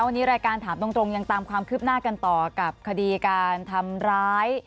วันนี้รายการถามตรงยังตามความคืบหน้ากันต่อกับคดีการทำร้าย